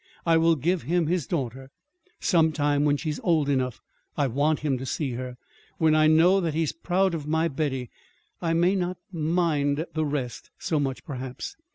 I will give him his daughter. Some time, when she is old enough, I want him to see her. When I know that he is proud of my Betty, I may not mind the rest so much, perhaps.